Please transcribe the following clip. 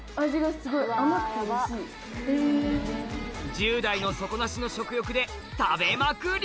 １０代の底なしの食欲で食べまくり！